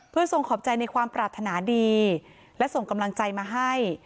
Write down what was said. เพื่อทรงขอบใจในความปรารถนาดีและส่งกำลังใจมาให้